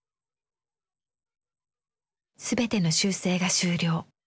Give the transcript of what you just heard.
全ての修正が終了。